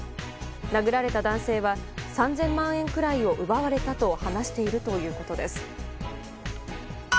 殴られた男性は３０００万円くらいを奪われたと話しているということです。